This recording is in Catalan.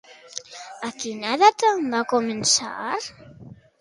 A quina edat va començar?